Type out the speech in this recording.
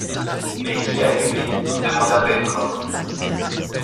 Mais qui a allumé ?… demanda Pencroff